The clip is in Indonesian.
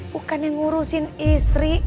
bukan yang ngurusin istri